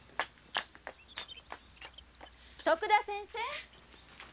・徳田先生！